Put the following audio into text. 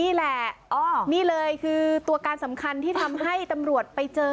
นี่แหละนี่เลยคือตัวการสำคัญที่ทำให้ตำรวจไปเจอ